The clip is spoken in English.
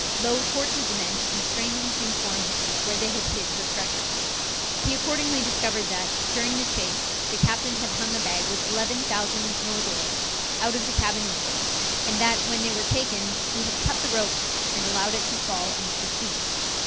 Low tortured the men to constrain them to inform him where they had hid their treasures. He accordingly discovered that, during the chase, the captain had hung a bag with eleven thousand moidores out of the cabin window, and that, when they were taken, he had cut the rope, and allowed it to fall into the sea.